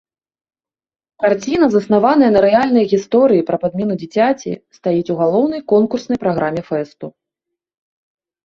Карціна, заснаваная на рэальнай гісторыі пра падмену дзіцяці, стаіць у галоўнай конкурснай праграме фэсту.